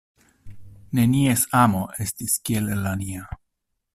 Nenies amo estis kiel la nia.